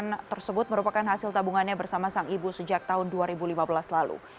makanan tersebut merupakan hasil tabungannya bersama sang ibu sejak tahun dua ribu lima belas lalu